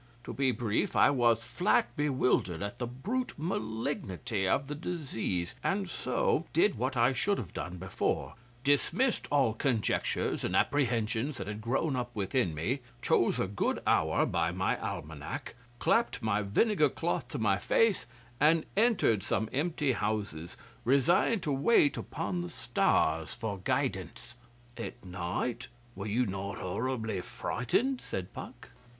To be brief, I was flat bewildered at the brute malignity of the disease, and so did what I should have done before dismissed all conjectures and apprehensions that had grown up within me, chose a good hour by my Almanac, clapped my vinegar cloth to my face, and entered some empty houses, resigned to wait upon the stars for guidance.' 'At night? Were you not horribly frightened?' said Puck.